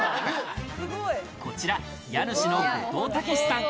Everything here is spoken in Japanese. こちら家主の後藤武さん。